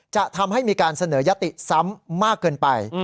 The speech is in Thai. จะทำให้มีการเสนอยติซ้ำมากเกินไป